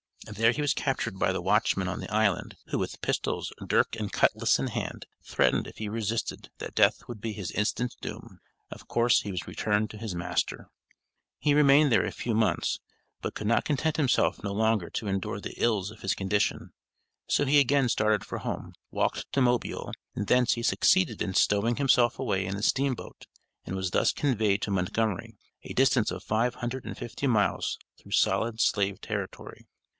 There he was captured by the watchman on the Island, who with pistols, dirk and cutlass in hand, threatened if he resisted that death would be his instant doom. Of course he was returned to his master. He remained there a few months, but could content himself no longer to endure the ills of his condition. So he again started for home, walked to Mobile, and thence he succeeded in stowing himself away in a steamboat and was thus conveyed to Montgomery, a distance of five hundred and fifty miles through solid slave territory.